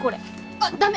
あっ駄目！